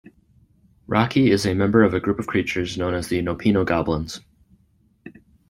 Rocky is a member of a group of creatures known as the Nopino Goblins.